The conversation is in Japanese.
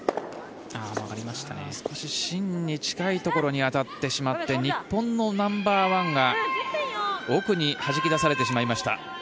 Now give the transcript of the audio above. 少し芯に近いところに当たってしまって日本のナンバーワンが奥にはじき出されてしまいました。